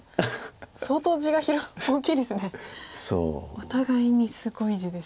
お互いにすごい地です。